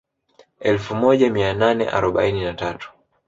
Elfu moja mia nane arobaini na tatu